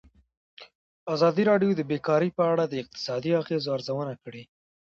ازادي راډیو د بیکاري په اړه د اقتصادي اغېزو ارزونه کړې.